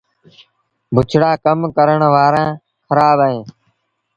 بُڇڙآ ڪم ڪرڻ وآرآ کرآب اهين۔